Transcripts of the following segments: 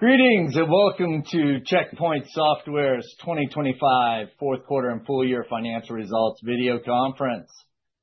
Greetings, and welcome to Check Point Software's 2025 fourth quarter and full year financial results video conference.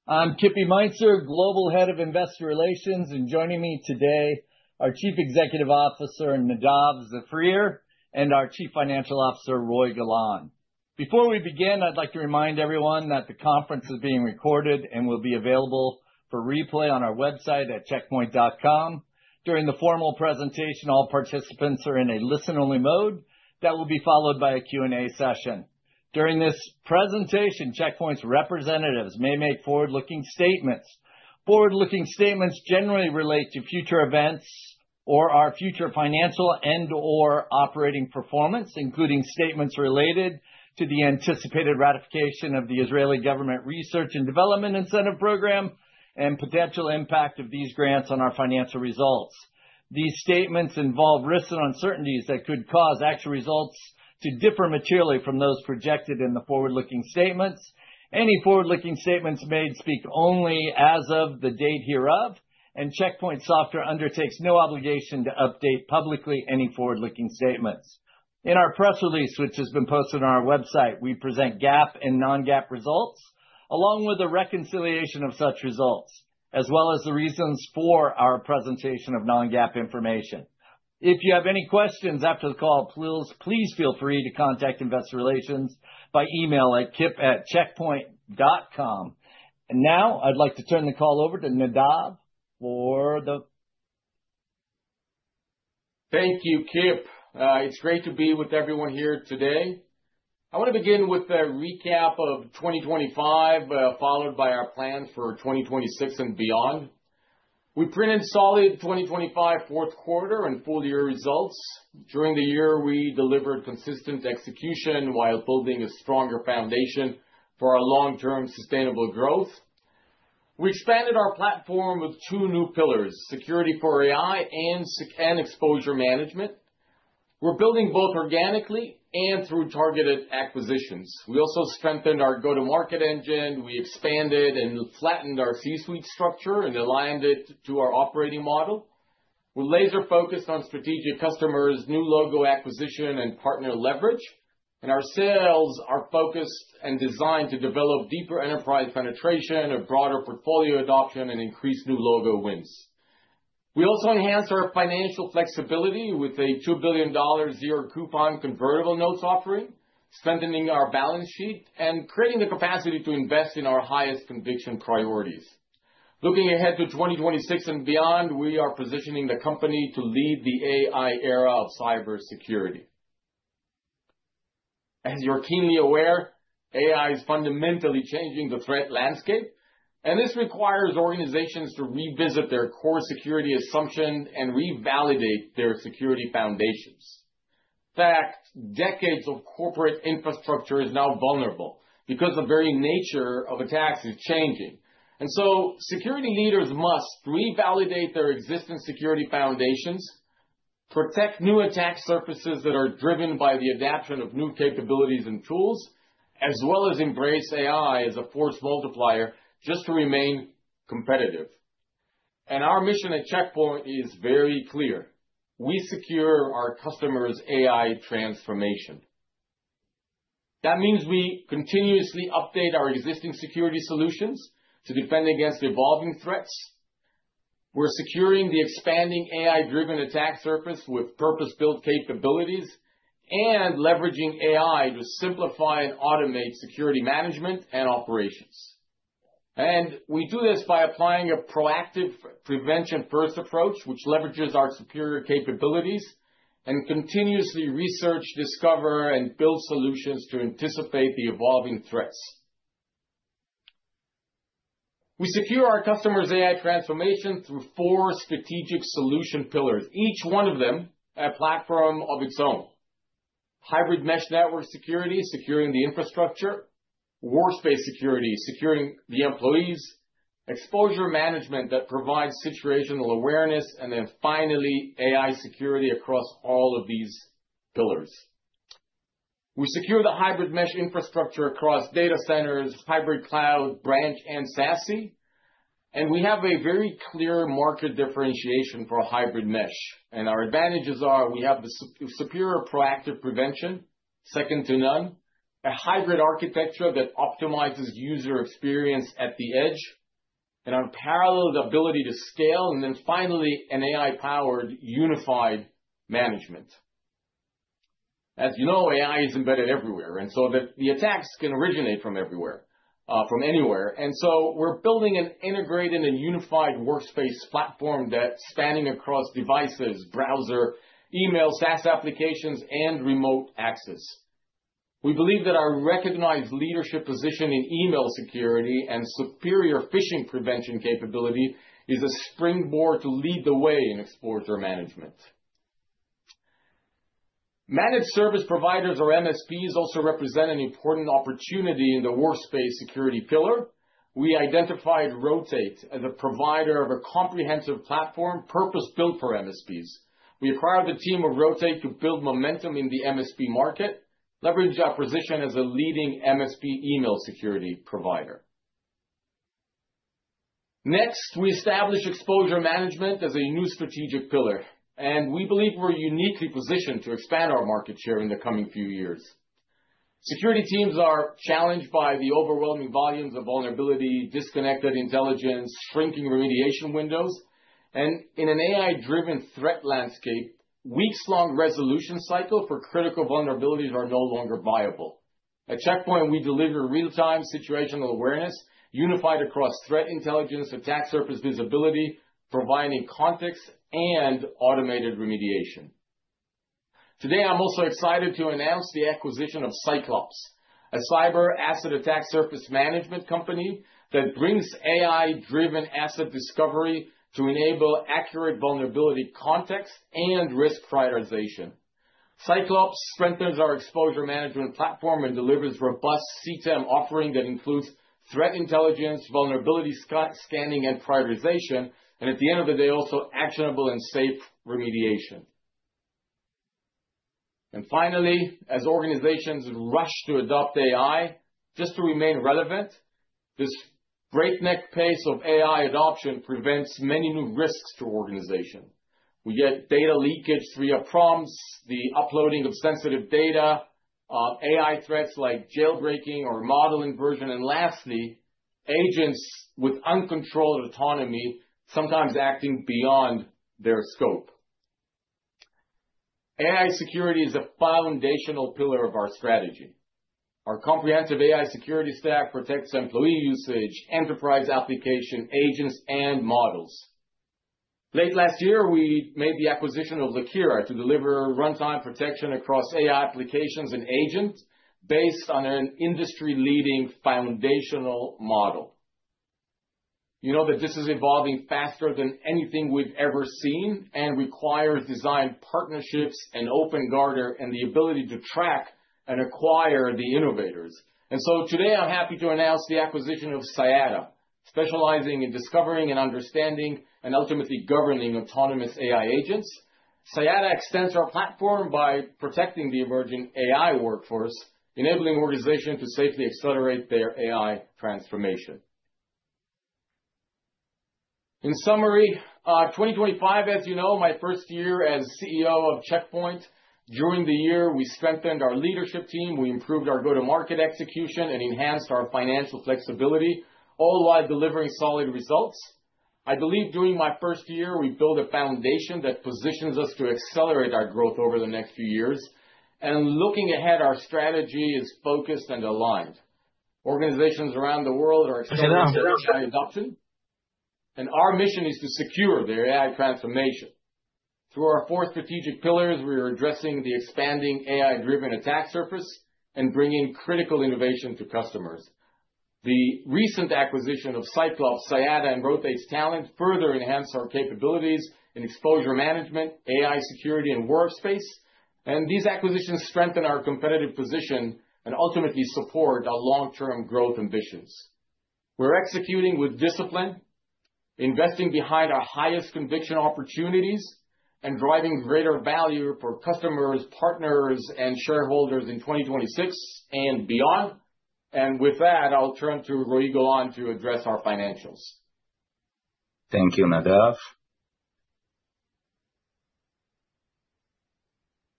I'm Kip Meintzer, Global Head of Investor Relations, and joining me today, our Chief Executive Officer, Nadav Zafrir, and our Chief Financial Officer, Roei Golan. Before we begin, I'd like to remind everyone that the conference is being recorded and will be available for replay on our website at checkpoint.com. During the formal presentation, all participants are in a listen-only mode that will be followed by a Q&A session. During this presentation, Check Point's representatives may make forward-looking statements. Forward-looking statements generally relate to future events or our future financial and/or operating performance, including statements related to the anticipated ratification of the Israeli Government Research and Development Incentive Program and potential impact of these grants on our financial results. These statements involve risks and uncertainties that could cause actual results to differ materially from those projected in the forward-looking statements. Any forward-looking statements made speak only as of the date hereof, and Check Point Software undertakes no obligation to update publicly any forward-looking statements. In our press release, which has been posted on our website, we present GAAP and non-GAAP results, along with a reconciliation of such results, as well as the reasons for our presentation of non-GAAP information. If you have any questions after the call, please, please feel free to contact Investor Relations by email at kip@checkpoint.com. Now I'd like to turn the call over to Nadav for the- Thank you, Kip. It's great to be with everyone here today. I want to begin with a recap of 2025, followed by our plans for 2026 and beyond. We printed solid 2025, fourth quarter and full year results. During the year, we delivered consistent execution while building a stronger foundation for our long-term sustainable growth. We expanded our platform with two new pillars, security for AI and exposure management. We're building both organically and through targeted acquisitions. We also strengthened our go-to-market engine. We expanded and flattened our C-suite structure and aligned it to our operating model. We're laser-focused on strategic customers, new logo acquisition, and partner leverage, and our sales are focused and designed to develop deeper enterprise penetration, a broader portfolio adoption, and increased new logo wins. We also enhanced our financial flexibility with a $2 billion zero coupon convertible notes offering, strengthening our balance sheet and creating the capacity to invest in our highest conviction priorities. Looking ahead to 2026 and beyond, we are positioning the company to lead the AI era of cybersecurity. As you're keenly aware, AI is fundamentally changing the threat landscape, and this requires organizations to revisit their core security assumption and revalidate their security foundations. In fact, decades of corporate infrastructure is now vulnerable because the very nature of attacks is changing, and so security leaders must revalidate their existing security foundations, protect new attack surfaces that are driven by the adoption of new capabilities and tools, as well as embrace AI as a force multiplier just to remain competitive. And our mission at Check Point is very clear: We secure our customers' AI transformation. That means we continuously update our existing security solutions to defend against evolving threats. We're securing the expanding AI-driven attack surface with purpose-built capabilities and leveraging AI to simplify and automate security management and operations. And we do this by applying a proactive prevention-first approach, which leverages our superior capabilities and continuously research, discover, and build solutions to anticipate the evolving threats. We secure our customers' AI transformation through four strategic solution pillars, each one of them a platform of its own. Hybrid mesh network security, securing the infrastructure, workspace security, securing the employees, exposure management that provides situational awareness, and then finally, AI security across all of these pillars. We secure the hybrid mesh infrastructure across data centers, hybrid cloud, branch, and SASE, and we have a very clear market differentiation for a hybrid mesh. Our advantages are we have the superior proactive prevention, second to none, a hybrid architecture that optimizes user experience at the edge, an unparalleled ability to scale, and then finally, an AI-powered unified management. As you know, AI is embedded everywhere, and so the attacks can originate from everywhere, from anywhere. We're building an integrated and unified workspace platform that's spanning across devices, browser, email, SaaS applications, and remote access. We believe that our recognized leadership position in email security and superior phishing prevention capability is a springboard to lead the way in exposure management. Managed service providers, or MSPs, also represent an important opportunity in the workspace security pillar. We identified Rotate as a provider of a comprehensive platform, purpose-built for MSPs. We acquired the team of Rotate to build momentum in the MSP market, leverage our position as a leading MSP email security provider. Next, we establish exposure management as a new strategic pillar, and we believe we're uniquely positioned to expand our market share in the coming few years. Security teams are challenged by the overwhelming volumes of vulnerability, disconnected intelligence, shrinking remediation windows, and in an AI-driven threat landscape, weeks-long resolution cycle for critical vulnerabilities are no longer viable. At Check Point, we deliver real-time situational awareness, unified across threat intelligence, attack surface visibility, providing context and automated remediation. Today, I'm also excited to announce the acquisition of Cyclops, a cyber asset attack surface management company that brings AI-driven asset discovery to enable accurate vulnerability, context, and risk prioritization. Cyclops strengthens our exposure management platform and delivers robust CTEM offering that includes threat intelligence, vulnerability scanning and prioritization, and at the end of the day, also actionable and safe remediation. Finally, as organizations rush to adopt AI just to remain relevant, this breakneck pace of AI adoption presents many new risks to organizations. We get data leakage via prompts, the uploading of sensitive data, AI threats like jailbreaking or model inversion, and lastly, agents with uncontrolled autonomy, sometimes acting beyond their scope. AI security is a foundational pillar of our strategy. Our comprehensive AI security stack protects employee usage, enterprise application, agents, and models. Late last year, we made the acquisition of Lakera to deliver runtime protection across AI applications and agents based on an industry-leading foundational model. You know that this is evolving faster than anything we've ever seen and requires design partnerships and open architecture, and the ability to track and acquire the innovators. So today, I'm happy to announce the acquisition of Cyada, specializing in discovering and understanding and ultimately governing autonomous AI agents. Cyada extends our platform by protecting the emerging AI workforce, enabling organizations to safely accelerate their AI transformation. In summary, 2025, as you know, my first year as CEO of Check Point. During the year, we strengthened our leadership team, we improved our go-to-market execution, and enhanced our financial flexibility, all while delivering solid results. I believe during my first year, we built a foundation that positions us to accelerate our growth over the next few years. Looking ahead, our strategy is focused and aligned. Organizations around the world are adopting, and our mission is to secure their AI transformation. Through our four strategic pillars, we are addressing the expanding AI-driven attack surface and bringing critical innovation to customers. The recent acquisition of Cyclops, Lakera, and Rotate's talent further enhance our capabilities in exposure management, AI security, and workspace, and these acquisitions strengthen our competitive position and ultimately support our long-term growth ambitions. We're executing with discipline, investing behind our highest conviction opportunities, and driving greater value for customers, partners, and shareholders in 2026 and beyond. And with that, I'll turn to Roei Golan to address our financials. Thank you, Nadav.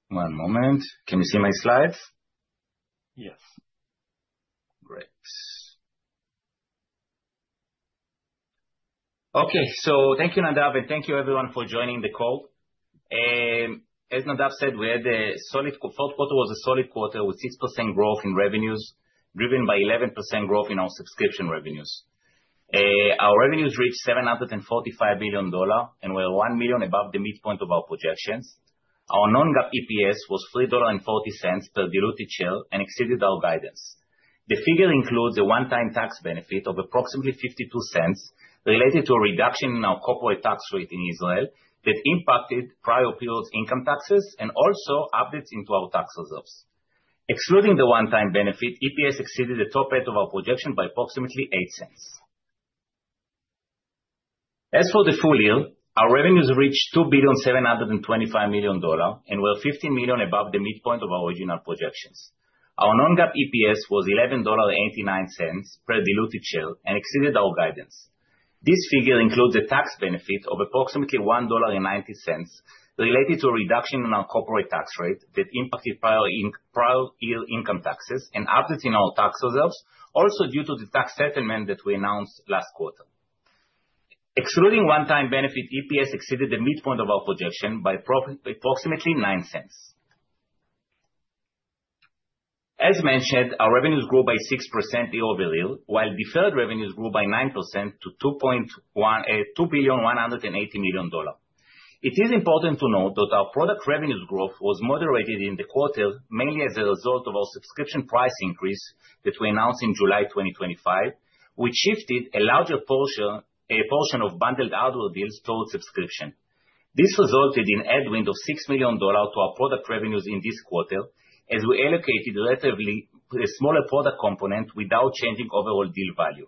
One moment. Can you see my slides? Yes. Great. Okay, so thank you, Nadav, and thank you everyone for joining the call. As Nadav said, we had a solid fourth quarter. It was a solid quarter with 6% growth in revenues, driven by 11% growth in our subscription revenues. Our revenues reached $745 million, and we were $1 million above the midpoint of our projections. Our non-GAAP EPS was $3.40 per diluted share and exceeded our guidance. The figure includes a one-time tax benefit of approximately $0.52, related to a reduction in our corporate tax rate in Israel, that impacted prior years' income taxes and also updates to our tax reserves. Excluding the one-time benefit, EPS exceeded the top end of our projections by approximately $0.08. As for the full year, our revenues reached $2.725 billion and were $15 million above the midpoint of our original projections. Our Non-GAAP EPS was $11.89 per diluted share and exceeded our guidance. This figure includes a tax benefit of approximately $1.90, related to a reduction in our corporate tax rate that impacted prior year income taxes and updates in our tax reserves, also due to the tax settlement that we announced last quarter. Excluding one-time benefit, EPS exceeded the midpoint of our projection by approximately $0.09. As mentioned, our revenues grew by 6% year-over-year, while deferred revenues grew by 9% to $2.18 billion. It is important to note that our product revenues growth was moderated in the quarter, mainly as a result of our subscription price increase that we announced in July 2025, which shifted a larger portion, a portion of bundled annual deals towards subscription. This resulted in headwind of $6 million to our product revenues in this quarter, as we allocated relatively to a smaller product component without changing overall deal value....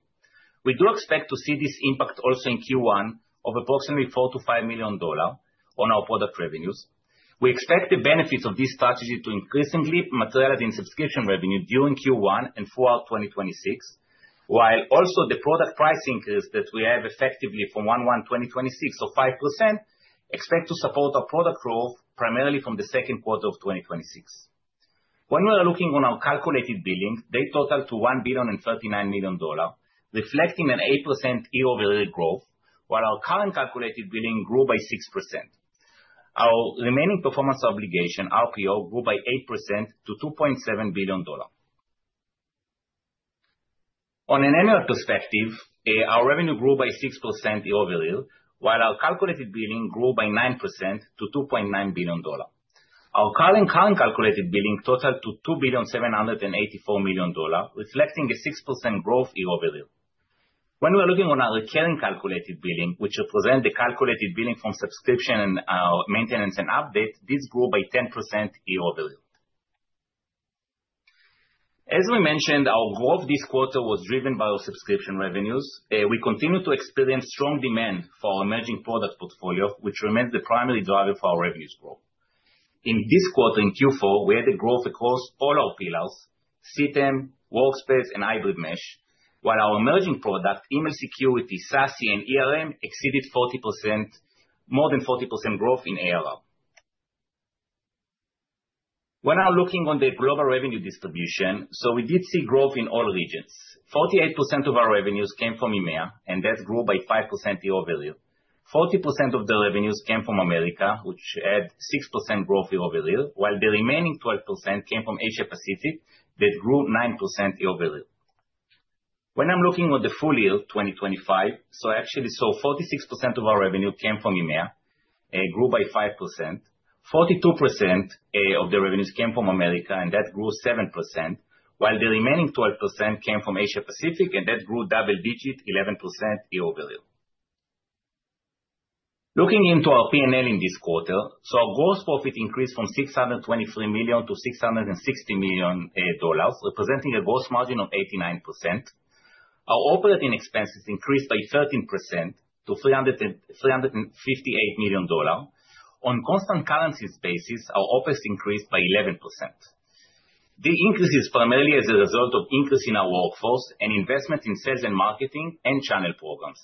We do expect to see this impact also in Q1 of approximately $4 million-$5 million on our product revenues. We expect the benefits of this strategy to increasingly materialize in subscription revenue during Q1 and throughout 2026, while also the product price increase that we have effectively from 1/1/2026 of 5%, expect to support our product growth primarily from the second quarter of 2026. When we are looking on our calculated billings, they total to $1.039 billion, reflecting an 8% year-over-year growth, while our current calculated billing grew by 6%. Our remaining performance obligation, RPO, grew by 8% to $2.7 billion. On an annual perspective, our revenue grew by 6% year-over-year, while our calculated billing grew by 9% to $2.9 billion. Our current calculated billing totaled to $2.784 billion, reflecting a 6% growth year-over-year. When we're looking on our recurring calculated billing, which represent the calculated billing from subscription, maintenance and updates, this grew by 10% year-over-year. As we mentioned, our growth this quarter was driven by our subscription revenues. We continue to experience strong demand for our emerging product portfolio, which remains the primary driver for our revenues growth. In this quarter, in Q4, we had a growth across all our pillars, CTEM, Workspace, and Hybrid Mesh, while our emerging product, Email Security, SASE and ERM, exceeded 40%—more than 40% growth in ARR. When I'm looking on the global revenue distribution, so we did see growth in all regions. 48% of our revenues came from EMEA, and that grew by 5% year-over-year. 40% of the revenues came from America, which had 6% growth year-over-year, while the remaining 12% came from Asia Pacific, that grew 9% year-over-year. When I'm looking on the full year, 2025, so actually, so 46% of our revenue came from EMEA, grew by 5%. 42% of the revenues came from America, and that grew 7%, while the remaining 12% came from Asia Pacific, and that grew double-digit 11% year-over-year. Looking into our P&L in this quarter, our gross profit increased from $623 million to $660 million dollars, representing a gross margin of 89%. Our operating expenses increased by 13% to $358 million dollar. On constant currencies basis, our OPEX increased by 11%. The increase is primarily as a result of increase in our workforce and investment in sales and marketing and channel programs.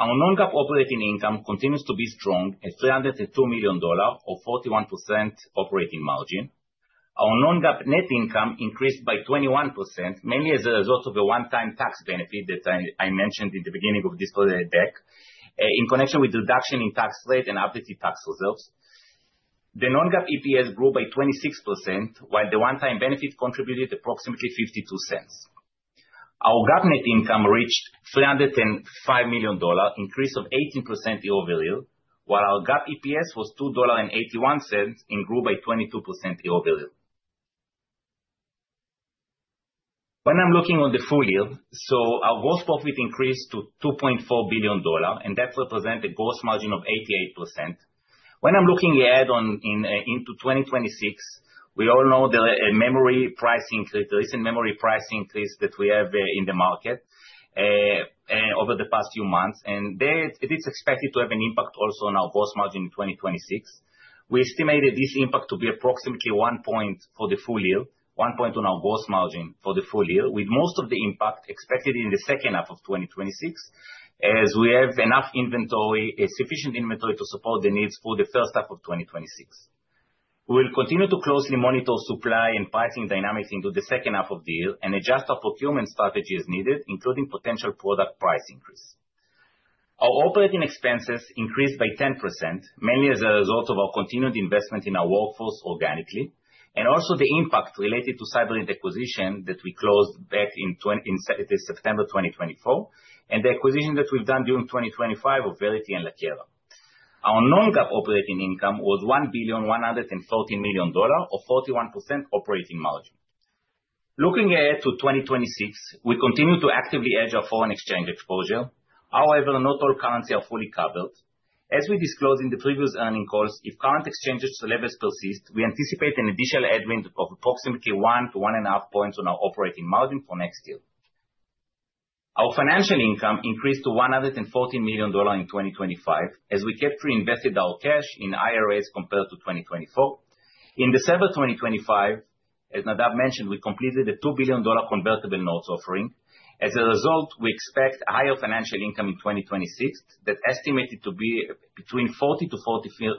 Our non-GAAP operating income continues to be strong, at $302 million dollar, or 41% operating margin. Our non-GAAP net income increased by 21%, mainly as a result of a one-time tax benefit that I mentioned in the beginning of this quarter deck in connection with reduction in tax rate and updated tax reserves. The non-GAAP EPS grew by 26%, while the one-time benefit contributed approximately $0.52. Our GAAP net income reached $305 million, increase of 18% year-over-year, while our GAAP EPS was $2.81 and grew by 22% year-over-year. When I'm looking on the full year, so our gross profit increased to $2.4 billion, and that represent a gross margin of 88%. When I'm looking ahead into 2026, we all know the memory price increase, the recent memory price increase that we have in the market over the past few months, and that it is expected to have an impact also on our gross margin in 2026. We estimated this impact to be approximately 1 point for the full year, 1 point on our gross margin for the full year, with most of the impact expected in the second half of 2026, as we have enough inventory, a sufficient inventory to support the needs for the first half of 2026. We'll continue to closely monitor supply and pricing dynamics into the second half of the year and adjust our procurement strategy as needed, including potential product price increase. Our operating expenses increased by 10%, mainly as a result of our continued investment in our workforce organically, and also the impact related to Cyberint acquisition that we closed back in September 2024, and the acquisition that we've done during 2025 of Veriti and Lakera. Our non-GAAP operating income was $1.13 billion, or 41% operating margin. Looking ahead to 2026, we continue to actively hedge our foreign exchange exposure, however, not all currency are fully covered. As we disclosed in the previous earnings calls, if current exchange levels persist, we anticipate an additional headwind of approximately 1 to 1.5 points on our operating margin for next year. Our financial income increased to $114 million in 2025, as we kept reinvested our cash in higher rates compared to 2024. In December 2025, as Nadav mentioned, we completed a $2 billion convertible notes offering. As a result, we expect higher financial income in 2026, that estimated to be between $40 million to $40 million.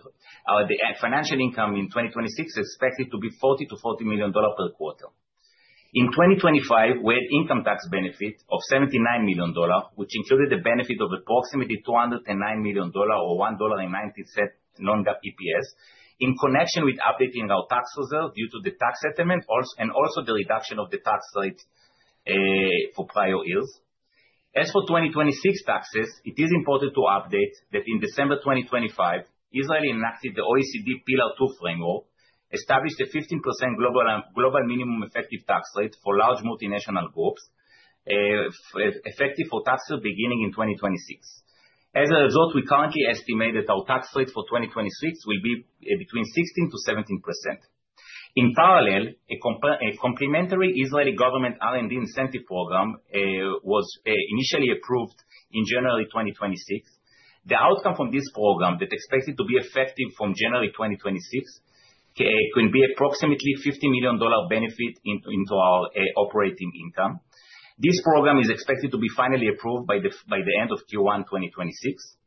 The financial income in 2026 is expected to be $40 million-$40 million per quarter. In 2025, we had income tax benefit of $79 million, which included a benefit of approximately $209 million or $1.90 non-GAAP EPS, in connection with updating our tax reserve due to the tax settlement and also the reduction of the tax rate, for prior years. As for 2026 taxes, it is important to update that in December 2025, Israel enacted the OECD Pillar Two Framework, established a 15% global minimum effective tax rate for large multinational groups, effective for taxes beginning in 2026. As a result, we currently estimate that our tax rate for 2026 will be between 16%-17%. In parallel, a complimentary Israeli government R&D incentive program was initially approved in January 2026. The outcome from this program that expected to be effective from January 2026 can be approximately $50 million benefit into our operating income. This program is expected to be finally approved by the end of Q1 2026.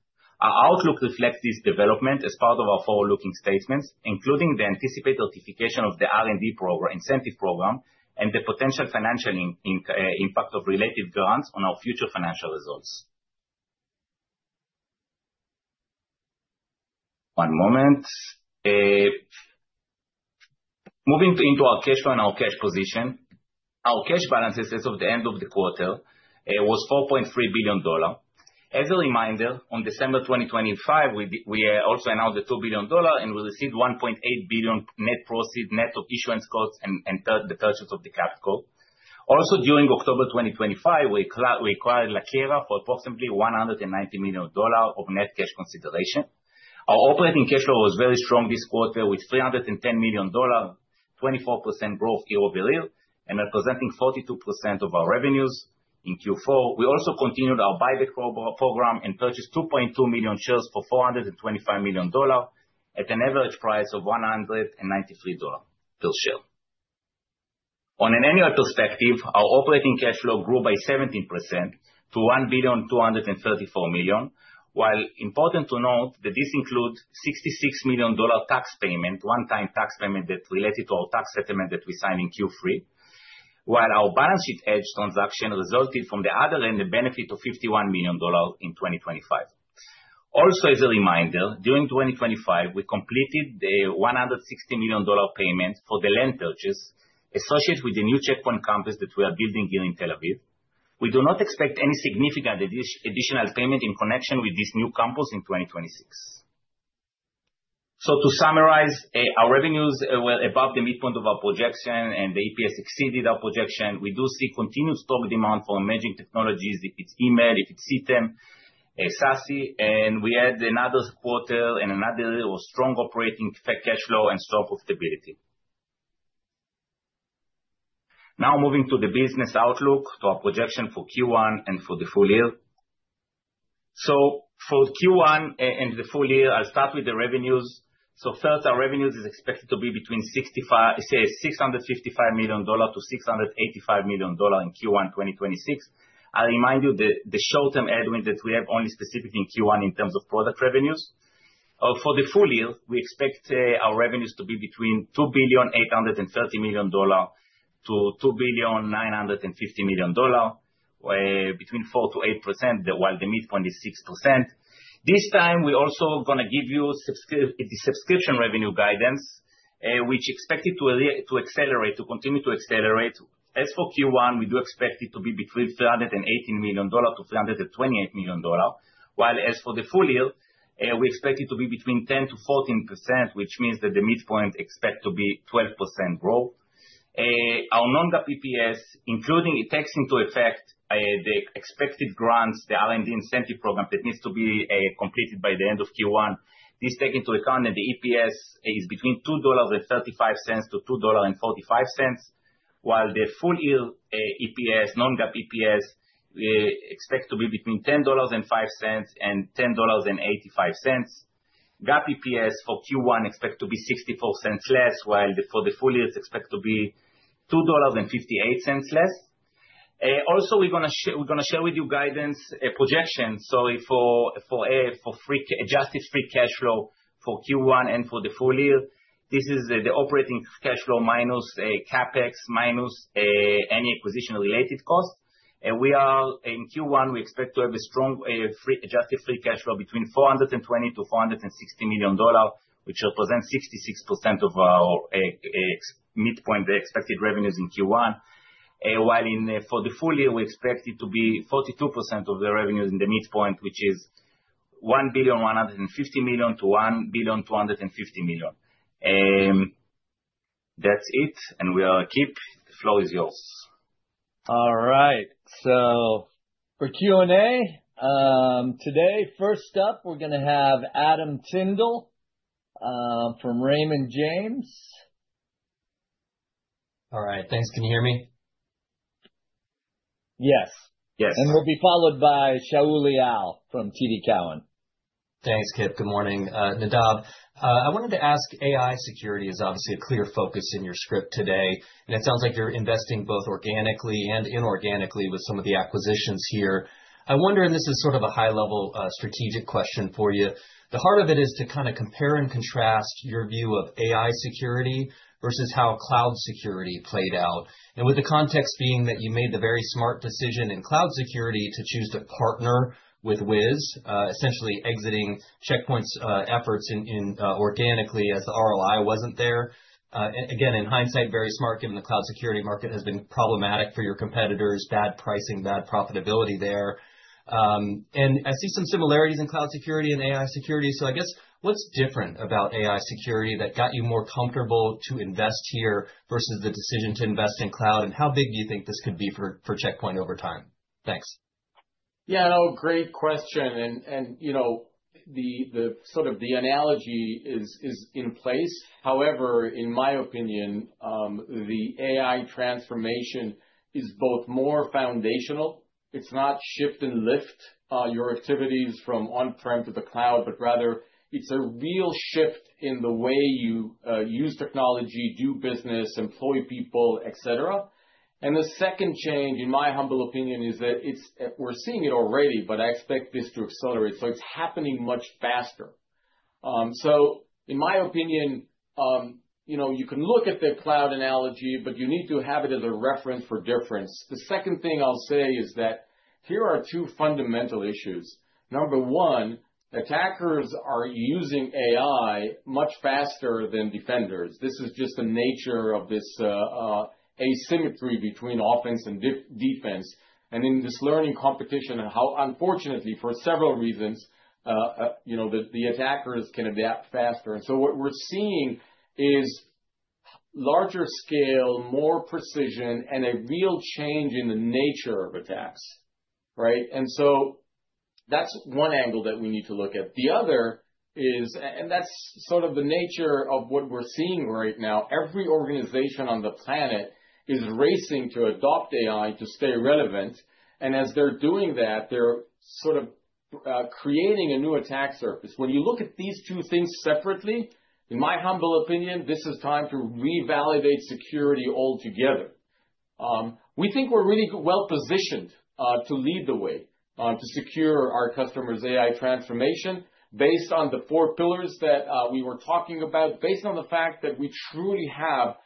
Our outlook reflects this development as part of our forward-looking statements, including the anticipated certification of the R&D program, incentive program, and the potential financial impact of related grants on our future financial results. One moment. Moving into our cash flow and our cash position. Our cash balances as of the end of the quarter was $4.3 billion. As a reminder, on December 2025, we also announced the $2 billion, and we received $1.8 billion net proceeds, net of issuance costs and third, the purchase of the capped call. Also, during October 2025, we acquired Lakera for approximately $190 million of net cash consideration. Our operating cash flow was very strong this quarter, with $310 million, 24% growth year-over-year, and representing 42% of our revenues in Q4. We also continued our buyback program and purchased 2.2 million shares for $425 million, at an average price of $193 per share. On an annual perspective, our operating cash flow grew by 17% to $1,234 million, while important to note that this includes $66 million tax payment, one-time tax payment, that related to our tax settlement that we signed in Q3. While our balance sheet hedge transaction resulted from the other lender benefit of $51 million in 2025. Also, as a reminder, during 2025, we completed the $160 million payment for the land purchase associated with the new Check Point campus that we are building here in Tel Aviv. We do not expect any significant additional payment in connection with this new campus in 2026. To summarize, our revenues were above the midpoint of our projection, and the ASP exceeded our projection. We do see continued strong demand for emerging technologies, if it's email, if it's CTEM, SASE, and we had another quarter and another strong operating cash flow and stock of stability. Now moving to the business outlook, to our projection for Q1 and for the full year. For Q1 and the full year, I'll start with the revenues. So first, our revenues is expected to be between $655 million-$685 million in Q1 2026. I remind you that the short-term guidance that we have only specified in Q1 in terms of product revenues. For the full year, we expect, our revenues to be between $2.83 billion-$2.95 billion, between 4%-8%, while the midpoint is 6%. This time, we also gonna give you the subscription revenue guidance, which expected to continue to accelerate. As for Q1, we do expect it to be between $318 million-$328 million, while as for the full year, we expect it to be between 10%-14%, which means that the midpoint expect to be 12% growth. Our non-GAAP EPS, including it takes into effect, the expected grants, the R&D incentive program that needs to be completed by the end of Q1. This take into account that the EPS is between $2.35-$2.45, while the full year, EPS, non-GAAP EPS, expect to be between $10.05 and $10.85. GAAP EPS for Q1 expect to be $0.64 less, while for the full year, it's expect to be $2.58 less. Also, we're gonna share with you guidance, projections. So for adjusted free cash flow for Q1 and for the full year, this is the operating cash flow minus CapEx, minus any acquisition-related costs. In Q1, we expect to have a strong adjusted free cash flow between $420 million-$460 million, which represents 66% of our midpoint, the expected revenues in Q1. While for the full year, we expect it to be 42% of the revenues in the midpoint, which is $1.15 billion-$1.25 billion. That's it, and with that, Kip. The floor is yours. All right. So for Q&A, today, first up, we're gonna have Adam Tindle from Raymond James. All right. Thanks. Can you hear me? Yes. Yes. We'll be followed by Shaul Eyal from TD Cowen. Thanks, Kip. Good morning. Nadav, I wanted to ask, AI security is obviously a clear focus in your script today, and it sounds like you're investing both organically and inorganically with some of the acquisitions here. I wonder, and this is sort of a high-level, strategic question for you. The heart of it is to kind of compare and contrast your view of AI security versus how cloud security played out, and with the context being that you made the very smart decision in cloud security to choose to partner with Wiz, essentially exiting Check Point's efforts in organically as the ROI wasn't there. Again, in hindsight, very smart, given the cloud security market has been problematic for your competitors, bad pricing, bad profitability there. I see some similarities in cloud security and AI security, so I guess, what's different about AI security that got you more comfortable to invest here versus the decision to invest in cloud, and how big do you think this could be for Check Point over time? Thanks.... Yeah, no, great question. And you know, the sort of the analogy is in place. However, in my opinion, the AI transformation is both more foundational. It's not shift and lift, your activities from on-prem to the cloud, but rather it's a real shift in the way you use technology, do business, employ people, et cetera. And the second change, in my humble opinion, is that it's, we're seeing it already, but I expect this to accelerate, so it's happening much faster. So in my opinion, you know, you can look at the cloud analogy, but you need to have it as a reference for difference. The second thing I'll say is that here are two fundamental issues. Number one, attackers are using AI much faster than defenders. This is just the nature of this asymmetry between offense and defense, and in this learning competition, and how, unfortunately, for several reasons, you know, the, the attackers can adapt faster. So what we're seeing is larger scale, more precision, and a real change in the nature of attacks, right? So that's one angle that we need to look at. The other is... and that's sort of the nature of what we're seeing right now. Every organization on the planet is racing to adopt AI to stay relevant, and as they're doing that, they're sort of creating a new attack surface. When you look at these two things separately, in my humble opinion, this is time to revalidate security altogether. We think we're really well positioned to lead the way to secure our customers' AI transformation based on the four pillars that we were talking about, based on the fact that we truly have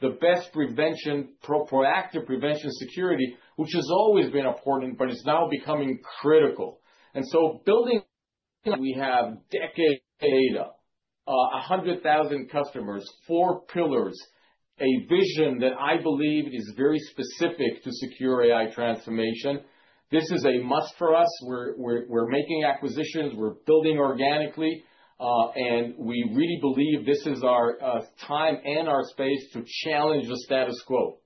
the best prevention, proactive prevention security, which has always been important, but it's now becoming critical. And so building, we have decades of data, 100,000 customers, four pillars, a vision that I believe is very specific to secure AI transformation. This is a must for us. We're, we're making acquisitions, we're building organically, and we really believe this is our time and our space to challenge the status quo.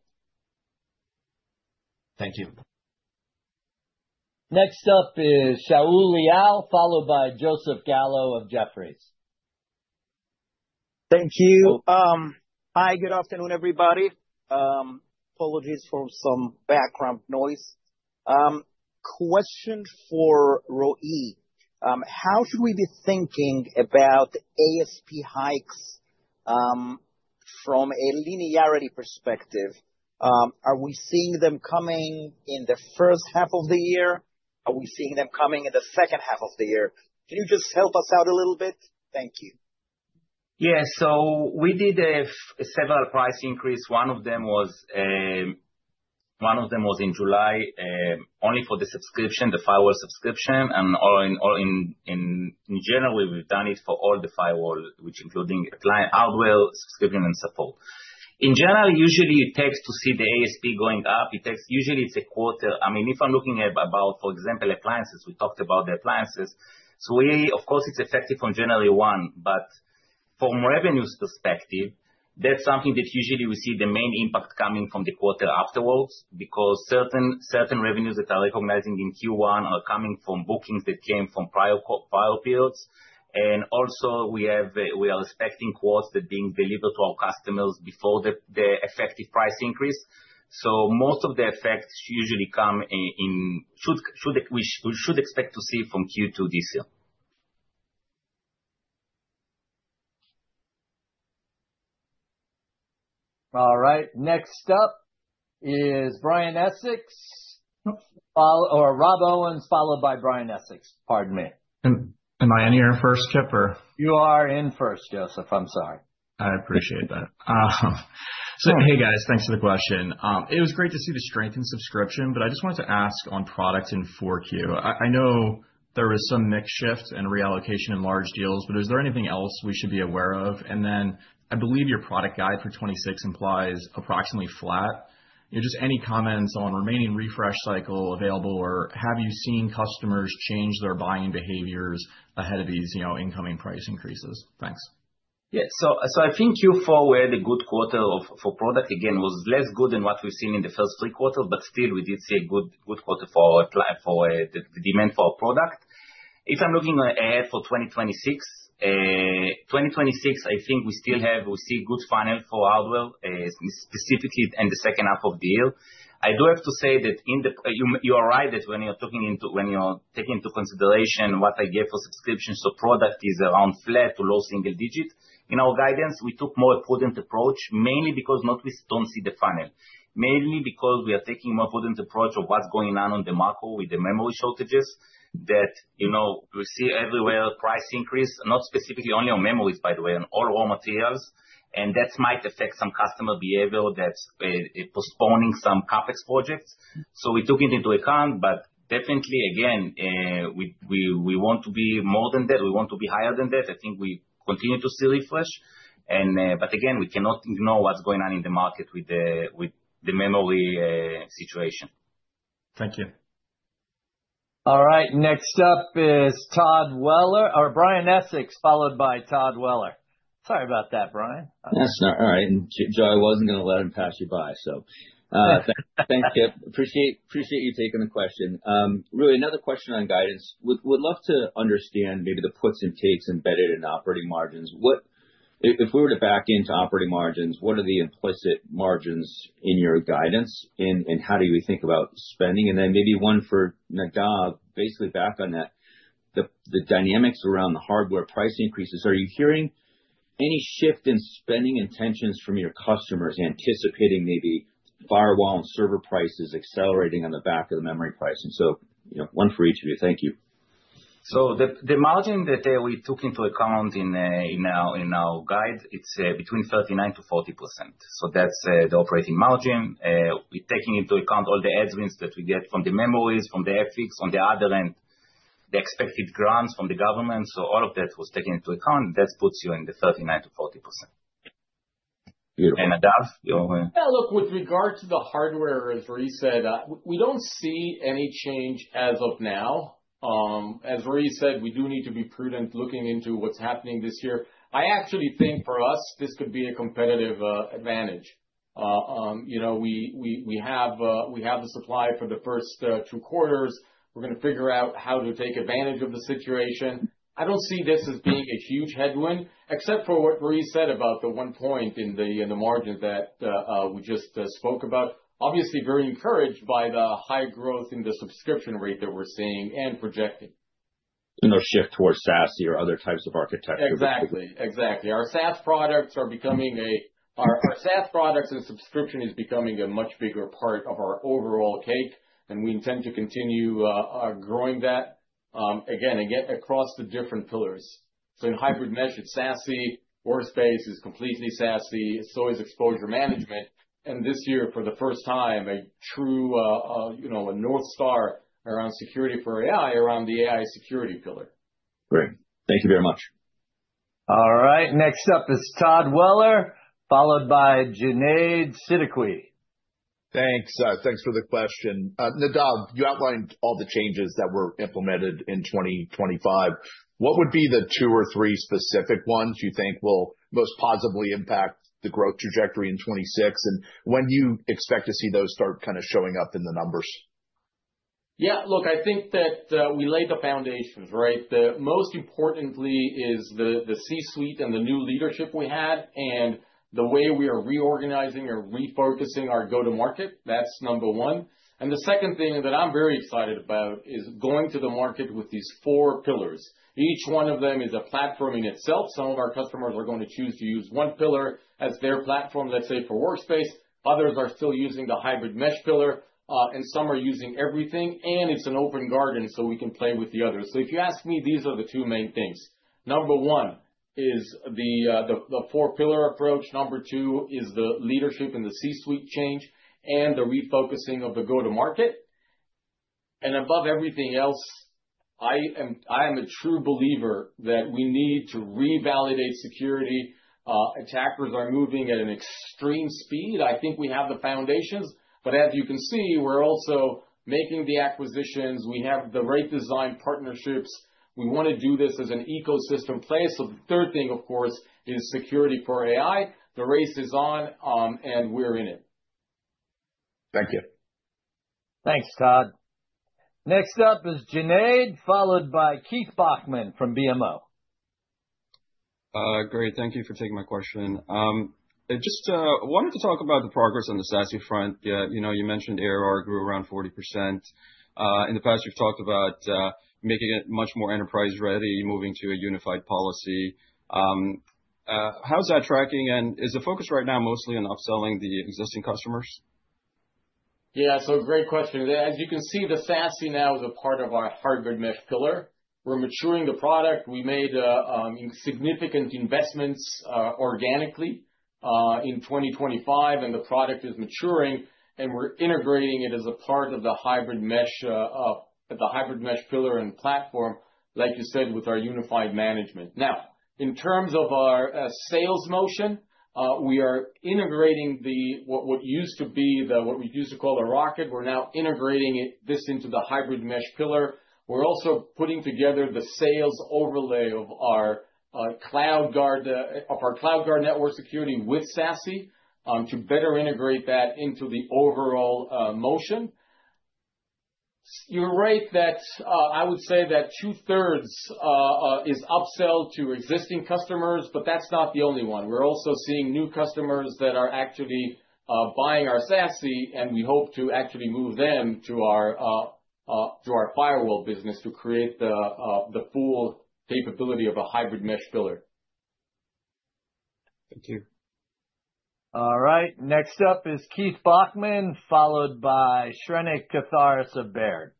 Thank you. Next up is Shaul Eyal, followed by Joseph Gallo of Jefferies. Thank you. Hi, good afternoon, everybody. Apologies for some background noise. Question for Roei. How should we be thinking about ASP hikes, from a linearity perspective? Are we seeing them coming in the first half of the year? Are we seeing them coming in the second half of the year? Can you just help us out a little bit? Thank you. Yeah. So we did several price increase. One of them was one of them was in July only for the subscription, the firewall subscription, and all in, all in, in general, we've done it for all the firewall, which including client, hardware, subscription, and support. In general, usually it takes to see the ASP going up, it takes usually it's a quarter. I mean, if I'm looking at about, for example, appliances, we talked about the appliances. So we, of course, it's effective on January 1, but from revenues perspective, that's something that usually we see the main impact coming from the quarter afterwards, because certain revenues that are recognizing in Q1 are coming from bookings that came from prior Q4 builds. And also we have we are expecting quotes that are being delivered to our customers before the effective price increase. So most of the effects usually come in. We should expect to see from Q2 this year. All right. Next up is Brian Essex, followed by Rob Owens, followed by Brian Essex. Pardon me. Am I on here first, Kip, or? You are in first, Joseph. I'm sorry. I appreciate that. So hey, guys, thanks for the question. It was great to see the strength in subscription, but I just wanted to ask on product in 4Q. I know there was some mix shift and reallocation in large deals, but is there anything else we should be aware of? And then, I believe your product guide for 2026 implies approximately flat. Just any comments on remaining refresh cycle available, or have you seen customers change their buying behaviors ahead of these, you know, incoming price increases? Thanks. Yeah. So, I think Q4 were the good quarter for product again, was less good than what we've seen in the first three quarters, but still, we did see a good, good quarter for our client, for the demand for our product. If I'm looking ahead for 2026, 2026, I think we still have, we see good demand for hardware, specifically in the second half of the year. I do have to say that in the... You are right, that when you all take into consideration what I gave for subscriptions, so product is around flat to low single digits. In our guidance, we took a more prudent approach, mainly because we are taking a more prudent approach to what's going on in the market with the memory shortages, that, you know, we see everywhere, price increases, not specifically only on memories, by the way, on all raw materials, and that might affect some customer behavior, that's postponing some CapEx projects. So we took it into account, but definitely again, we want to be more than that. We want to be higher than that. I think we continue to see refresh, and, but again, we cannot ignore what's going on in the market with the memory situation. Thank you. All right, next up is Todd Weller or Brian Essex, followed by Todd Weller.... Sorry about that, Brian. That's all right. And so I wasn't gonna let him pass you by. So, thanks, Kip. Appreciate you taking the question. Really, another question on guidance. Would love to understand maybe the puts and takes embedded in operating margins. What if we were to back into operating margins, what are the implicit margins in your guidance, and how do you think about spending? And then maybe one for Nadav, basically back on that, the dynamics around the hardware price increases, are you hearing any shift in spending intentions from your customers, anticipating maybe firewall and server prices accelerating on the back of the memory pricing? So, you know, one for each of you. Thank you. So the margin that we took into account in our guide, it's between 39%-40%. So that's the operating margin. We're taking into account all the headwinds that we get from the memories, from the ASICs, on the other end, the expected grants from the government, so all of that was taken into account. That puts you in the 39%-40%. Beautiful. Nadav, go ahead. Yeah, look, with regard to the hardware, as Huri said, we don't see any change as of now. As Huri said, we do need to be prudent looking into what's happening this year. I actually think for us, this could be a competitive advantage. You know, we have the supply for the first two quarters. We're gonna figure out how to take advantage of the situation. I don't see this as being a huge headwind, except for what Huri said about the one point in the margin that we just spoke about. Obviously, very encouraged by the high growth in the subscription rate that we're seeing and projecting. You know, shift towards SASE or other types of architecture. Exactly. Exactly. Our SaaS products are becoming our, our SaaS products and subscription is becoming a much bigger part of our overall cake, and we intend to continue growing that, again, again, across the different pillars. So in hybrid measured, SASE, Workspace is completely SASE, so is exposure management. And this year, for the first time, a true, you know, a Northstar around security for AI, around the AI security pillar. Great. Thank you very much. All right, next up is Todd Weller, followed by Junaid Siddiqui. Thanks. Thanks for the question. Nadav, you outlined all the changes that were implemented in 2025. What would be the two or three specific ones you think will most positively impact the growth trajectory in 2026, and when do you expect to see those start kind of showing up in the numbers? Yeah, look, I think that, we laid the foundations, right? The most importantly is the C-suite and the new leadership we had, and the way we are reorganizing or refocusing our go-to-market. That's number one. And the second thing that I'm very excited about is going to the market with these four pillars. Each one of them is a platform in itself. Some of our customers are going to choose to use one pillar as their platform, let's say, for Workspace, others are still using the hybrid mesh pillar, and some are using everything, and it's an open garden, so we can play with the others. So if you ask me, these are the two main things: Number one is the four pillar approach, number two is the leadership and the C-suite change and the refocusing of the go-to-market. Above everything else, I am, I am a true believer that we need to revalidate security. Attackers are moving at an extreme speed. I think we have the foundations, but as you can see, we're also making the acquisitions. We have the right design partnerships. We want to do this as an ecosystem play. So the third thing, of course, is security for AI. The race is on, and we're in it. Thank you. Thanks, Todd. Next up is Junaid, followed by Keith Bachman from BMO. Great. Thank you for taking my question. I just wanted to talk about the progress on the SASE front. You know, you mentioned AR grew around 40%. In the past, you've talked about making it much more enterprise-ready, moving to a unified policy. How's that tracking? And is the focus right now mostly on upselling the existing customers? Yeah, so great question. As you can see, the SASE now is a part of our hybrid mesh pillar. We're maturing the product. We made significant investments organically in 2025, and the product is maturing, and we're integrating it as a part of the hybrid mesh, the hybrid mesh pillar and platform, like you said, with our unified management. Now, in terms of our sales motion, we are integrating what used to be the, what we used to call the rocket, we're now integrating it this into the hybrid mesh pillar. We're also putting together the sales overlay of our CloudGuard of our CloudGuard network security with SASE to better integrate that into the overall motion. You're right that, I would say that two-thirds is upsell to existing customers, but that's not the only one. We're also seeing new customers that are actually buying our SASE, and we hope to actually move them to our, to our firewall business to create the, the full capability of a hybrid mesh pillar. Thank you. All right, next up is Keith Bachman, followed by Shrenik Kothari of Baird.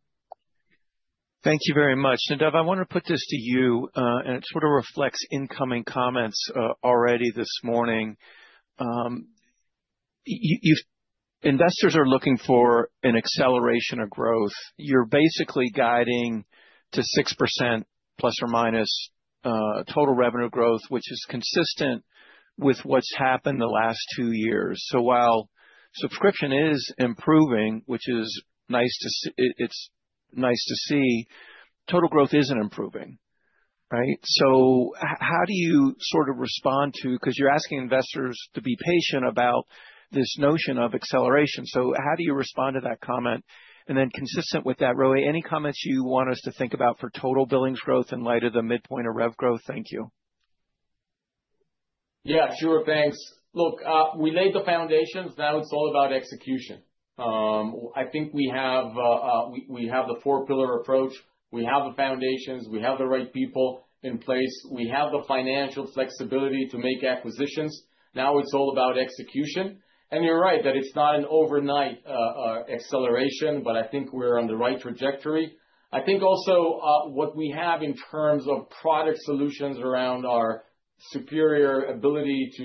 Thank you very much. Nadav, I want to put this to you, and it sort of reflects incoming comments already this morning. Investors are looking for an acceleration of growth. You're basically guiding to 6% ± total revenue growth, which is consistent- ... with what's happened the last two years. So while subscription is improving, which is nice to see it, it's nice to see, total growth isn't improving, right? So how do you sort of respond to 'cause you're asking investors to be patient about this notion of acceleration. So how do you respond to that comment? And then consistent with that, Roei, any comments you want us to think about for total billings growth in light of the midpoint of rev growth? Thank you. Yeah, sure. Thanks. Look, we laid the foundations, now it's all about execution. I think we have the four pillar approach, we have the foundations, we have the right people in place, we have the financial flexibility to make acquisitions. Now it's all about execution. And you're right, that it's not an overnight acceleration, but I think we're on the right trajectory. I think also, what we have in terms of product solutions around our superior ability to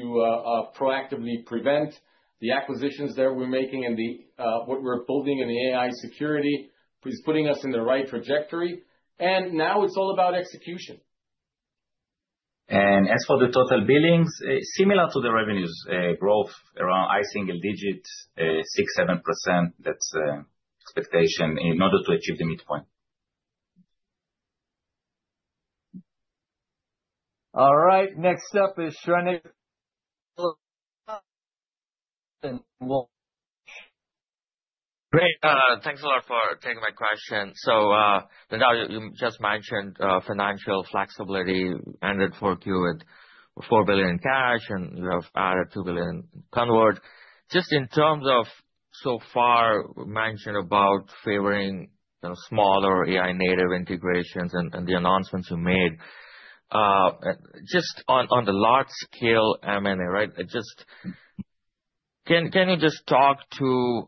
proactively prevent the acquisitions that we're making and the what we're building in the AI security, is putting us in the right trajectory. And now it's all about execution. As for the total billings, similar to the revenues growth, around high single digits, 6%-7%, that's the expectation in order to achieve the midpoint. All right. Next up is Shrenik... Great. Thanks a lot for taking my question. So, then now, you, you just mentioned financial flexibility, ended Q4 with $4 billion in cash, and you have added $2 billion onward. Just in terms of, so far, mentioned about favoring, you know, smaller AI-native integrations and the announcements you made just on the large-scale M&A, right? Just— Can, can you just talk to,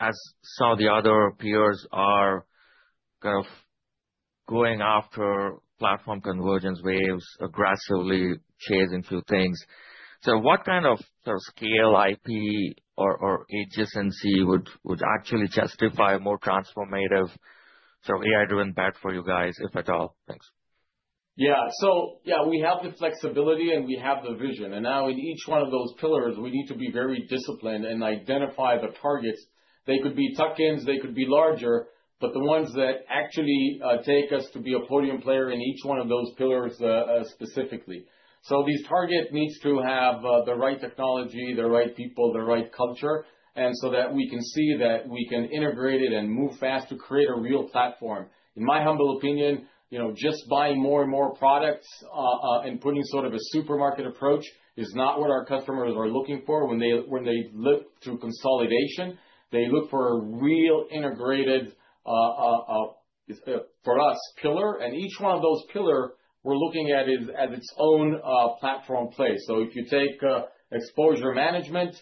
as some of the other peers are kind of going after platform convergence waves, aggressively chasing through things. So what kind of, sort of, scale IP or agency would, would actually justify more transformative, so AI-driven impact for you guys, if at all? Thanks. Yeah. So yeah, we have the flexibility, and we have the vision, and now in each one of those pillars, we need to be very disciplined and identify the targets. They could be tuck-ins, they could be larger, but the ones that actually take us to be a podium player in each one of those pillars, specifically. So these targets need to have the right technology, the right people, the right culture, and so that we can see that we can integrate it and move fast to create a real platform. In my humble opinion, you know, just buying more and more products and putting sort of a supermarket approach is not what our customers are looking for when they look through consolidation. They look for a real integrated, for us, pillar, and each one of those pillar, we're looking at it as its own, platform play. So if you take, exposure management,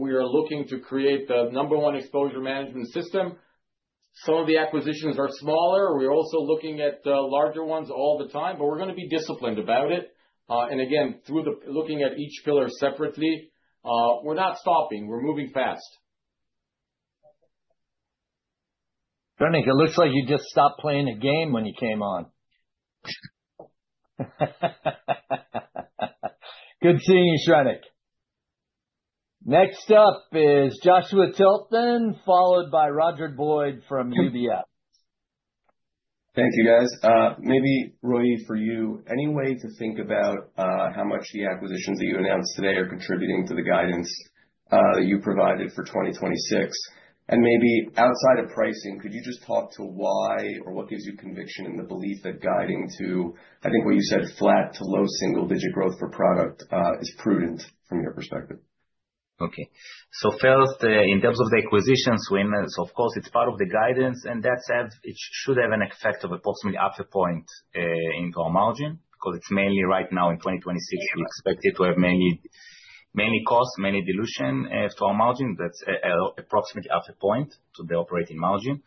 we are looking to create the number one exposure management system. Some of the acquisitions are smaller. We're also looking at, larger ones all the time, but we're gonna be disciplined about it. And again, through the looking at each pillar separately, we're not stopping. We're moving fast. Shrenik, it looks like you just stopped playing a game when you came on. Good seeing you, Shrenik. Next up is Joshua Tilton, followed by Roger Boyd from UBS. Thank you, guys. Maybe Roei, for you, any way to think about how much the acquisitions that you announced today are contributing to the guidance that you provided for 2026? Maybe outside of pricing, could you just talk to why or what gives you conviction in the belief that guiding to, I think what you said, flat to low single digit growth for product is prudent from your perspective? Okay. So first, in terms of the acquisitions, so of course, it's part of the guidance, and that said, it should have an effect of approximately 0.5 point in gross margin, because it's mainly right now in 2026, we expect it to have many, many costs, many dilution to our margin, that's approximately 0.5 point to the operating margin.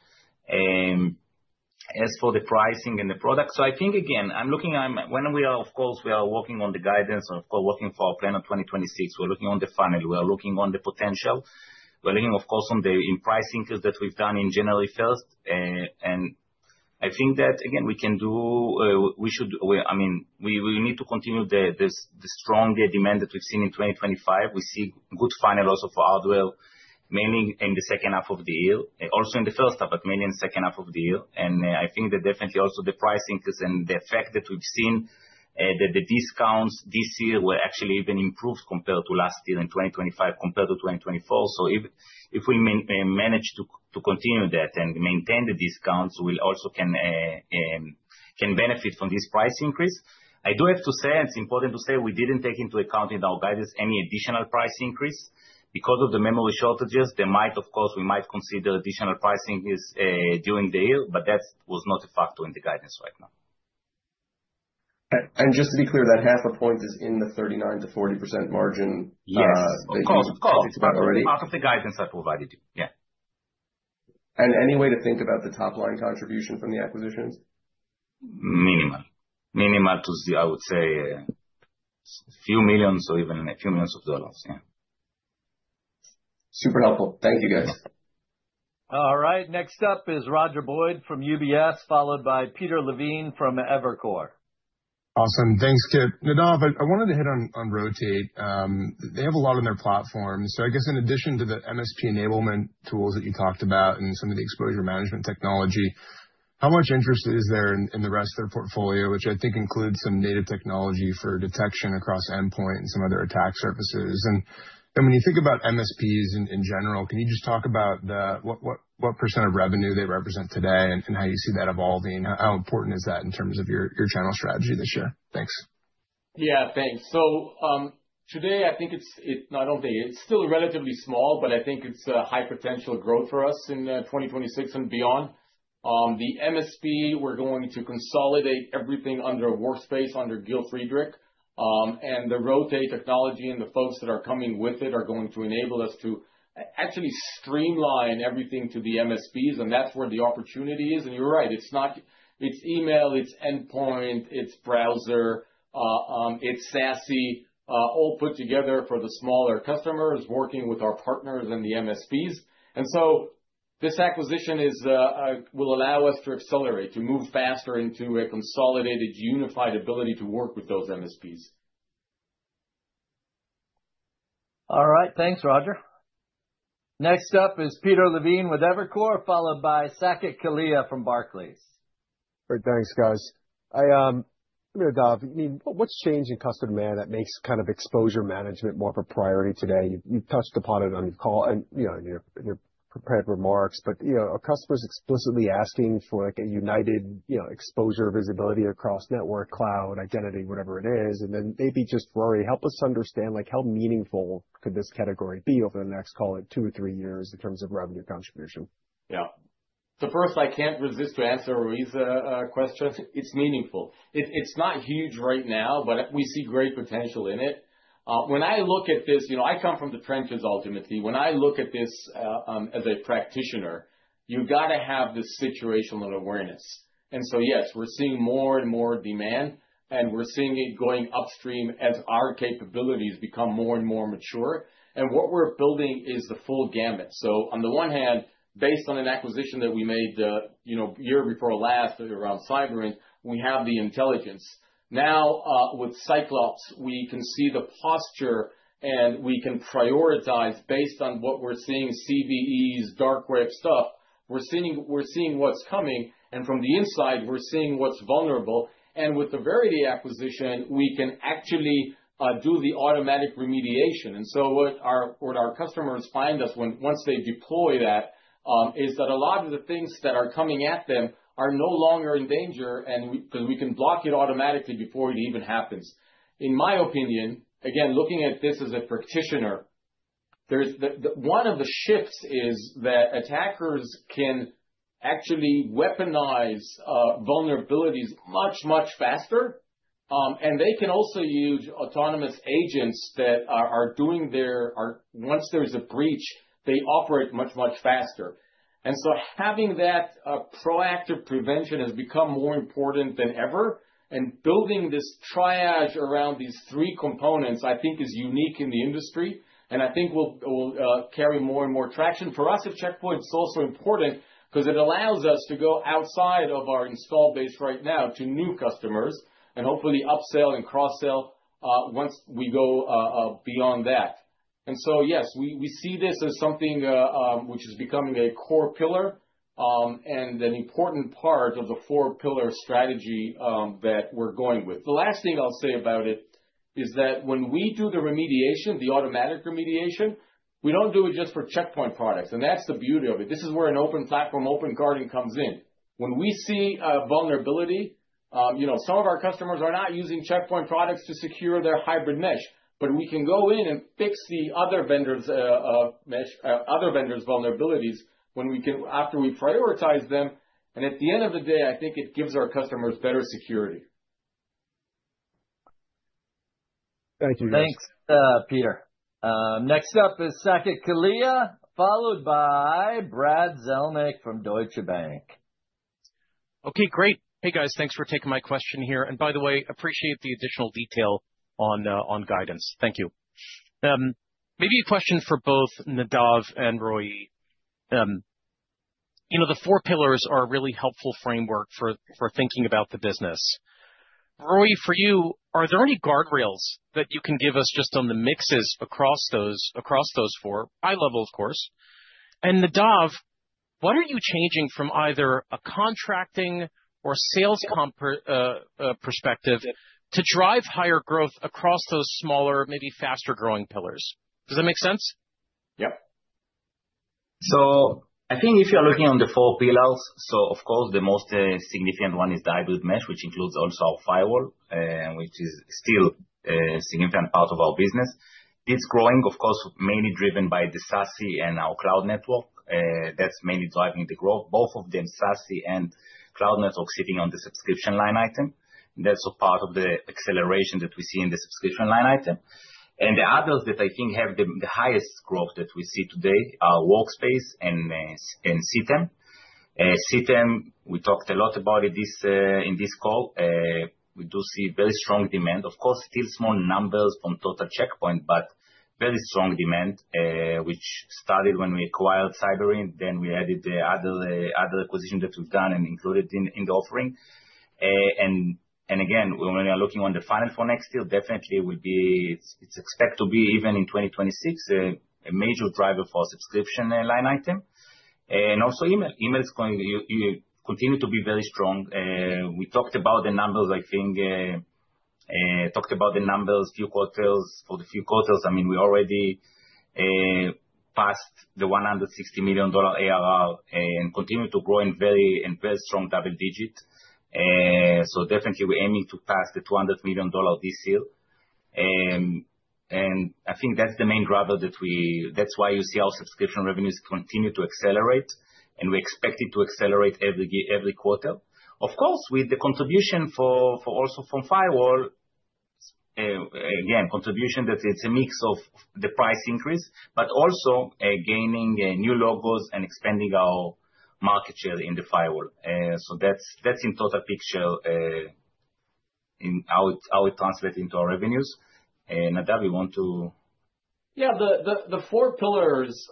As for the pricing and the product, so I think again, I'm looking at when we are-- of course, we are working on the guidance and of course, working for our plan of 2026. We're looking on the funnel, we are looking on the potential. We're looking, of course, on the pricing that we've done in January first, and I think that again, we can do, we should, I mean, we need to continue the stronger demand that we've seen in 2025. We see good funnel also for hardware, mainly in the second half of the year, also in the first half, but mainly in the second half of the year. And I think that definitely also the pricing, because in the effect that we've seen, that the discounts this year will actually even improve compared to last year, in 2025 compared to 2024. So if we manage to continue that and maintain the discounts, we'll also can benefit from this price increase. I do have to say, and it's important to say, we didn't take into account in our guidance any additional price increase. Because of the memory shortages, there might, of course, we might consider additional pricing is during the year, but that was not a factor in the guidance right now. Just to be clear, that 0.5 point is in the 39%-40% margin- Yes. already. Part of the guidance I provided you. Yeah. Any way to think about the top line contribution from the acquisitions? Minimal. Minimal to zero, I would say, $a few million or even $a few million. Yeah. ... Super helpful. Thank you, guys. All right. Next up is Roger Boyd from UBS, followed by Peter Levine from Evercore. Awesome. Thanks, Kip. Nadav, I wanted to hit on Rotate. They have a lot on their platform, so I guess in addition to the MSP enablement tools that you talked about and some of the exposure management technology, how much interest is there in the rest of their portfolio, which I think includes some native technology for detection across endpoint and some other attack surfaces? And when you think about MSPs in general, can you just talk about what % of revenue they represent today, and how you see that evolving? How important is that in terms of your channel strategy this year? Thanks. Yeah, thanks. So, today, I think it's not only, it's still relatively small, but I think it's a high potential growth for us in 2026 and beyond. The MSP, we're going to consolidate everything under a workspace, under Gil Friedrich, and the Rotate technology and the folks that are coming with it are going to enable us to actually streamline everything to the MSPs, and that's where the opportunity is. And you're right, it's email, it's endpoint, it's browser, it's SASE, all put together for the smaller customers working with our partners and the MSPs. And so this acquisition will allow us to accelerate, to move faster into a consolidated, unified ability to work with those MSPs. All right. Thanks, Roger. Next up is Peter Levine with Evercore, followed by Saket Kalia from Barclays. Great. Thanks, guys. I, Nadav, I mean, what, what's changed in customer demand that makes, kind of, exposure management more of a priority today? You, you've touched upon it on the call and, you know, in your, in your prepared remarks, but, you know, are customers explicitly asking for, like, a united, you know, exposure, visibility across network, cloud, identity, whatever it is, and then maybe just Roei, help us understand, like, how meaningful could this category be over the next, call it two or three years, in terms of revenue contribution? Yeah. So first, I can't resist to answer Roei's question. It's meaningful. It's not huge right now, but we see great potential in it. When I look at this... You know, I come from the trenches, ultimately. When I look at this, as a practitioner, you've gotta have this situational awareness. And so, yes, we're seeing more and more demand, and we're seeing it going upstream as our capabilities become more and more mature. And what we're building is the full gamut. So on the one hand, based on an acquisition that we made, you know, year before last, around Cyberint, we have the intelligence. Now, with Cyclops, we can see the posture, and we can prioritize based on what we're seeing, CVEs, dark web stuff. We're seeing what's coming, and from the inside, we're seeing what's vulnerable. With the Veriti acquisition, we can actually do the automatic remediation. What our customers find us, once they deploy that, is that a lot of the things that are coming at them are no longer in danger, and we 'cause we can block it automatically before it even happens. In my opinion, again, looking at this as a practitioner, one of the shifts is that attackers can actually weaponize vulnerabilities much, much faster, and they can also use autonomous agents that, once there's a breach, they operate much, much faster. Having that proactive prevention has become more important than ever, and building this triage around these three components, I think is unique in the industry, and I think will carry more and more traction. For us at Check Point, it's also important 'cause it allows us to go outside of our install base right now to new customers, and hopefully upsell and cross-sell once we go beyond that. And so, yes, we see this as something which is becoming a core pillar and an important part of the four-pillar strategy that we're going with. The last thing I'll say about it is that when we do the remediation, the automatic remediation, we don't do it just for Check Point products, and that's the beauty of it. This is where an open platform, open garden, comes in. When we see a vulnerability, you know, some of our customers are not using Check Point products to secure their hybrid mesh, but we can go in and fix the other vendors' vulnerabilities when we can... After we prioritize them, and at the end of the day, I think it gives our customers better security. Thank you, guys. Thanks, Peter. Next up is Saket Kalia, followed by Brad Zelnick from Deutsche Bank. Okay, great. Hey, guys, thanks for taking my question here. And by the way, appreciate the additional detail on, on guidance. Thank you. Maybe a question for both Nadav and Roei. You know, the four pillars are a really helpful framework for, for thinking about the business. Roei, for you, are there any guardrails that you can give us just on the mixes across those, across those four, high level, of course? And Nadav, what are you changing from either a contracting or sales comp, perspective to drive higher growth across those smaller, maybe faster-growing pillars? Does that make sense? Yep. So I think if you're looking on the four pillars, so of course, the most significant one is the hybrid mesh, which includes also our firewall, which is still a significant part of our business. It's growing, of course, mainly driven by the SASE and our cloud network. That's mainly driving the growth, both of them, SASE and cloud network, sitting on the subscription line item. That's a part of the acceleration that we see in the subscription line item. And the others that I think have the highest growth that we see today are Workspace and CTEM. We talked a lot about it in this call. We do see very strong demand. Of course, still small numbers from total Check Point, but very strong demand, which started when we acquired Cyberint, then we added the other acquisition that we've done and included in the offering. And again, when we are looking on the funnel for next year, definitely it will be—it's expected to be, even in 2026, a major driver for subscription line item. And also email. Email is going to continue to be very strong. We talked about the numbers, I think, talked about the numbers few quarters, for the few quarters. I mean, we already passed the $160 million ARR and continue to grow in very strong double digit. So definitely we're aiming to pass the $200 million this year. I think that's the main driver that's why you see our subscription revenues continue to accelerate, and we expect it to accelerate every quarter. Of course, with the contribution also from firewall, again, contribution, that it's a mix of the price increase, but also gaining new logos and expanding our market share in the firewall. So that's in total picture in how it translate into our revenues. And Nadav, you want to? Yeah, the four pillars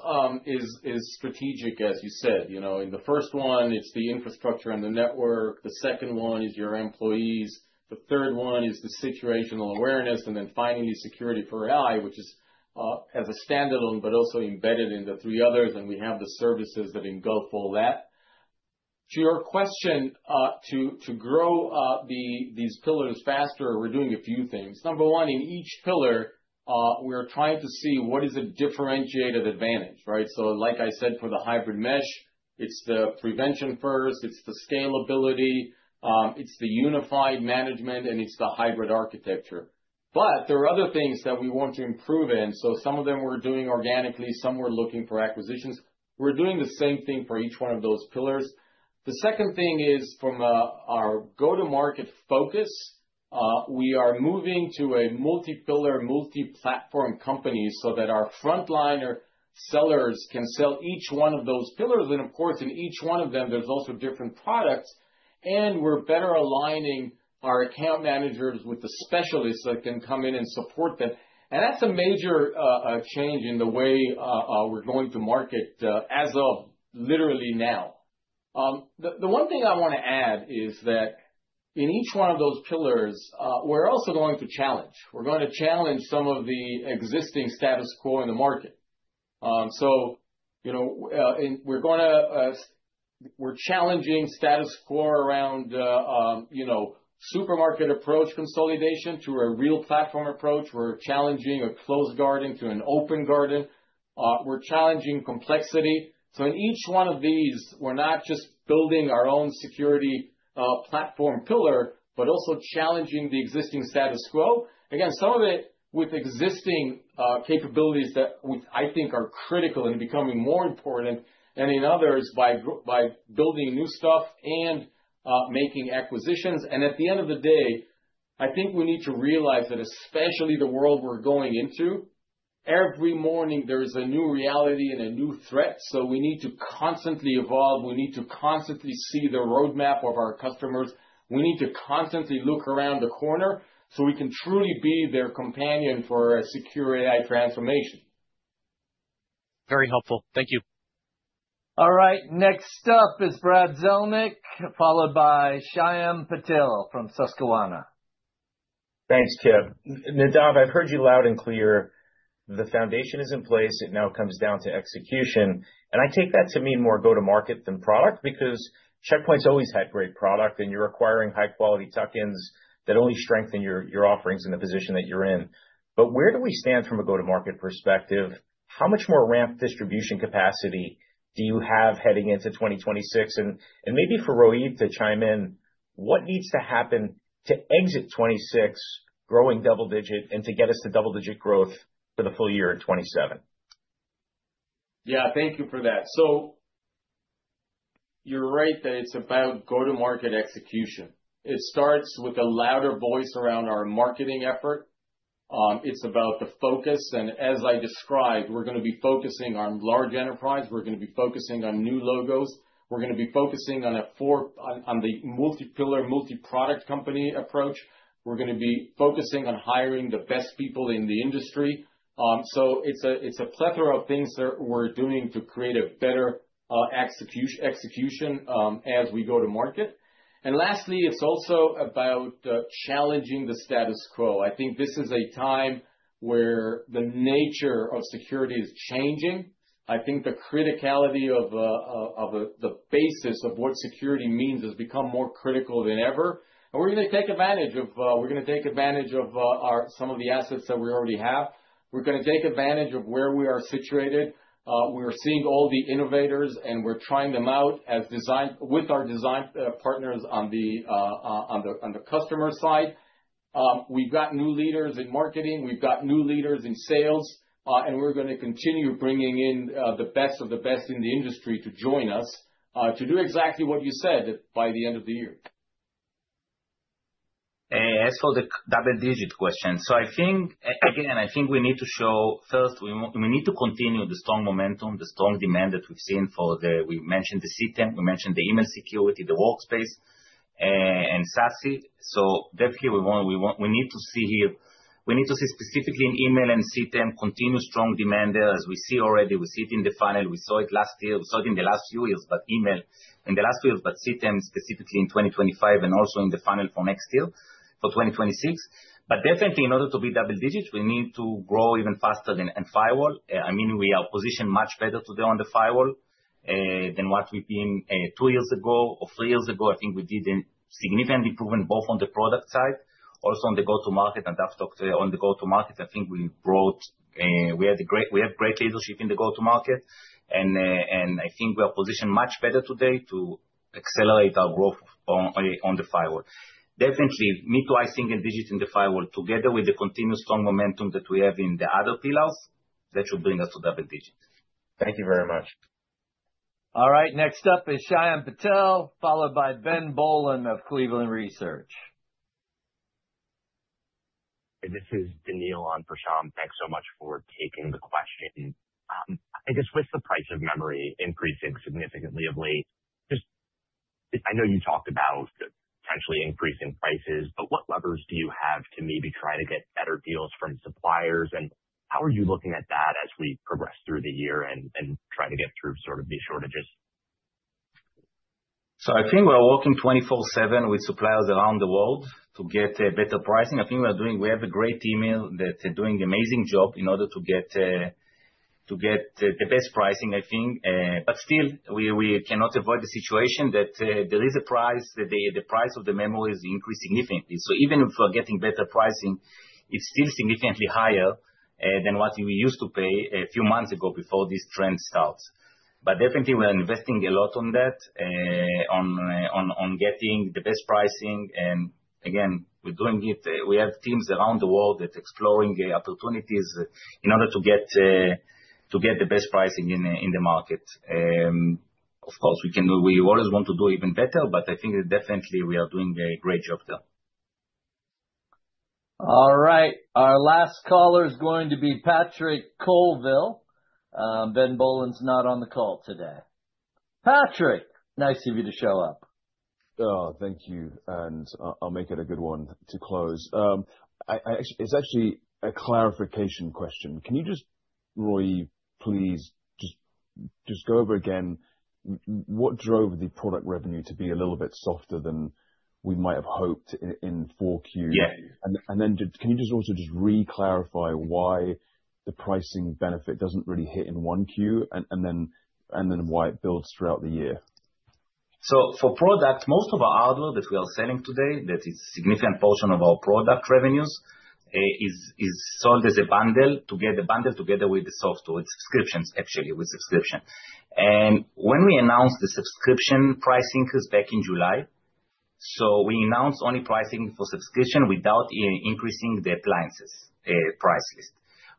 is strategic, as you said, you know. In the first one, it's the infrastructure and the network. The second one is your employees. The third one is the situational awareness, and then finally, security for AI, which is as a standalone, but also embedded in the three others, and we have the services that engulf all that. To your question, to grow these pillars faster, we're doing a few things. Number one, in each pillar, we're trying to see what is a differentiated advantage, right? So like I said, for the hybrid mesh, it's the prevention first, it's the scalability, it's the unified management, and it's the hybrid architecture. But there are other things that we want to improve in. So some of them we're doing organically, some we're looking for acquisitions. We're doing the same thing for each one of those pillars. The second thing is from our go-to-market focus, we are moving to a multi-pillar, multi-platform company so that our frontliner sellers can sell each one of those pillars. Of course, in each one of them, there's also different products, and we're better aligning our account managers with the specialists that can come in and support them. That's a major change in the way we're going to market, as of literally now. The one thing I want to add is that in each one of those pillars, we're also going to challenge. We're going to challenge some of the existing status quo in the market. So you know, and we're going to, we're challenging status quo around, you know, supermarket approach consolidation to a real platform approach. We're challenging a closed garden to an open garden. We're challenging complexity. So in each one of these, we're not just building our own security, platform pillar, but also challenging the existing status quo. Again, some of it with existing, capabilities that, which I think are critical and becoming more important, and in others, by building new stuff and, making acquisitions. And at the end of the day, I think we need to realize that especially the world we're going into, every morning, there is a new reality and a new threat, so we need to constantly evolve. We need to constantly see the roadmap of our customers. We need to constantly look around the corner, so we can truly be their companion for a secure AI transformation. Very helpful. Thank you. All right, next up is Brad Zelnick, followed by Shyam Patel from Susquehanna. Thanks, Kip. Nadav, I've heard you loud and clear. The foundation is in place; it now comes down to execution, and I take that to mean more go-to-market than product, because Check Point's always had great product, and you're acquiring high quality tuck-ins that only strengthen your offerings and the position that you're in. But where do we stand from a go-to-market perspective? How much more ramp distribution capacity do you have heading into 2026? And maybe for Roei to chime in, what needs to happen to exit 2026 growing double-digit and to get us to double-digit growth for the full year in 2027? Yeah, thank you for that. So you're right that it's about go-to-market execution. It starts with a louder voice around our marketing effort. It's about the focus, and as I described, we're gonna be focusing on large enterprise, we're gonna be focusing on new logos. We're gonna be focusing on the multi-pillar, multi-product company approach. We're gonna be focusing on hiring the best people in the industry. So it's a plethora of things that we're doing to create a better execution as we go to market. And lastly, it's also about challenging the status quo. I think this is a time where the nature of security is changing. I think the criticality of the basis of what security means has become more critical than ever, and we're gonna take advantage of some of the assets that we already have. We're gonna take advantage of where we are situated. We're seeing all the innovators, and we're trying them out as design- with our design partners on the customer side. We've got new leaders in marketing, we've got new leaders in sales, and we're gonna continue bringing in the best of the best in the industry to join us to do exactly what you said by the end of the year. As for the double digit question, so I think, again, I think we need to show, first, we need to continue the strong momentum, the strong demand that we've seen for the... We mentioned the CTEM, we mentioned the email security, the workspace, and SASE. So definitely, we want, we need to see here, we need to see specifically in email and CTEM, continuous strong demand there, as we see already. We see it in the funnel, we saw it last year, we saw it in the last few years, but email in the last few years, but CTEM specifically in 2025 and also in the funnel for next year, for 2026. But definitely, in order to be double digits, we need to grow even faster than in firewall. I mean, we are positioned much better today on the firewall than what we've been two years ago or three years ago. I think we did a significant improvement, both on the product side, also on the go-to-market and after on the go-to-market, I think we brought, we had great, we have great leadership in the go-to-market, and, and I think we are positioned much better today to accelerate our growth on, on the firewall. Definitely, me, too, I think a digit in the firewall, together with the continuous strong momentum that we have in the other pillars, that should bring us to double digits. Thank you very much. All right. Next up is Shyam Patel, followed by Ben Bollin of Cleveland Research. This is Anil, on for Shyam. Thanks so much for taking the question. I guess with the price of memory increasing significantly of late, just, I know you talked about potentially increasing prices, but what levers do you have to maybe try to get better deals from suppliers? And how are you looking at that as we progress through the year and, and try to get through sort of these shortages? So I think we are working 24/7 with suppliers around the world to get better pricing. I think we are doing. We have a great team here that are doing an amazing job in order to get the best pricing, I think. But still, we cannot avoid the situation that the price of the memory is increased significantly. So even if we're getting better pricing, it's still significantly higher than what we used to pay a few months ago before this trend starts. But definitely, we are investing a lot on that, on getting the best pricing. And again, we're doing it. We have teams around the world that's exploring the opportunities in order to get the best pricing in the market. Of course, we can do, we always want to do even better, but I think definitely we are doing a great job there. All right. Our last caller is going to be Patrick Colville. Ben Bollin's not on the call today. Patrick, nice of you to show up! Thank you, and I'll make it a good one to close. It's actually a clarification question. Can you, Roei, please go over again what drove the product revenue to be a little bit softer than we might have hoped in 4Q? Yeah. And then, can you just also just re-clarify why the pricing benefit doesn't really hit in one Q, and then why it builds throughout the year? So for product, most of our hardware that we are selling today, that is a significant portion of our product revenues, is sold as a bundle, together, bundle together with the software subscriptions, actually with subscription. And when we announced the subscription pricing back in July, so we announced only pricing for subscription without increasing the appliances price list.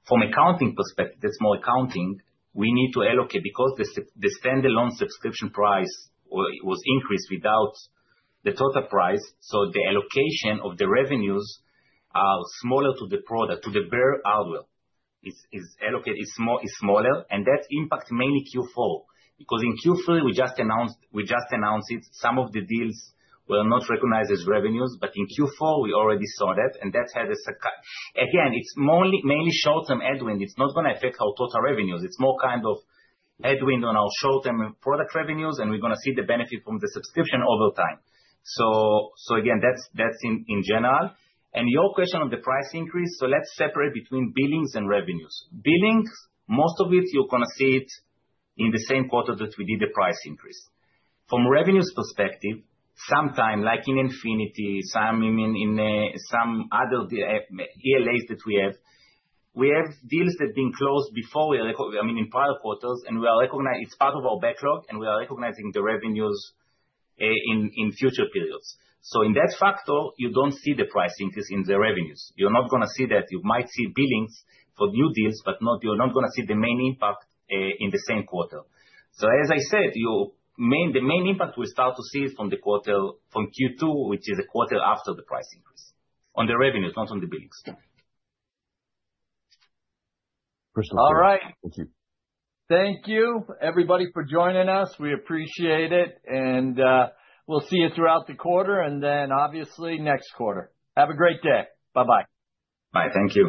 From accounting perspective, the small accounting, we need to allocate, because the standalone subscription price was increased without the total price, so the allocation of the revenues are smaller to the product, to the bare hardware. It's smaller, and that impacts mainly Q4, because in Q3, we just announced it, some of the deals were not recognized as revenues, but in Q4, we already saw that, and that had. Again, it's mainly short-term headwind. It's not gonna affect our total revenues. It's more kind of headwind on our short-term product revenues, and we're gonna see the benefit from the subscription over time. So again, that's in general. And your question on the price increase, so let's separate between billings and revenues. Billings, most of it, you're gonna see it in the same quarter that we did the price increase. From revenues perspective, sometimes, like in Infinity, some in some other ELAs that we have, we have deals that have been closed before we recognize. I mean, in prior quarters, and we are recognizing. It's part of our backlog, and we are recognizing the revenues in future periods. So in that factor, you don't see the price increase in the revenues. You're not gonna see that. You might see billings for new deals, but not, you're not gonna see the main impact in the same quarter. So, as I said, the main impact we start to see from the quarter, from Q2, which is the quarter after the price increase on the revenues, not on the billings. All right. Thank you. Thank you, everybody, for joining us. We appreciate it, and we'll see you throughout the quarter, and then obviously, next quarter. Have a great day. Bye-bye. Bye. Thank you.